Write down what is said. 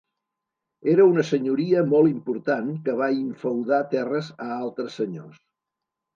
Era una senyoria molt important que va infeudar terres a altres senyors.